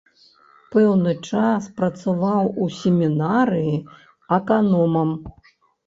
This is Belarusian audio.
Пэўны час працаваў у семінарыі аканомам.